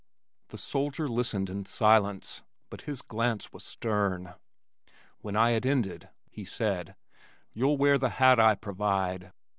The soldier listened in silence but his glance was stern. When I had ended he said, "You'll wear the hat I provide."